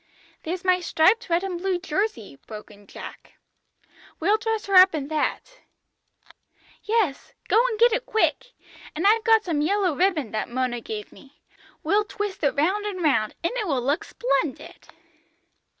"There's my striped red and blue jersey," broke in Jack, "we'll dress her up in that." "Yes, go and get it quick, and I've got some yellow ribbon that Mona gave me; we'll twist it round and round, and it will look splendid!"